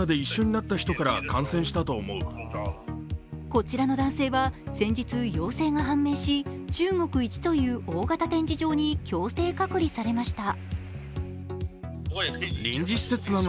こちらの男性は、先日陽性が判明し中国一という大型展示場に強制隔離されました。